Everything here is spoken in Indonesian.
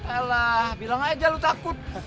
elah bilang aja lo takut